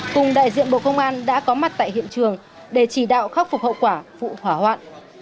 cùng đại diện bộ công an đã có mặt tại hiện trường để chỉ đạo khắc phục hậu quả vụ hỏa hoạn